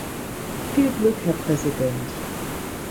Viel Glück, Herr Präsident!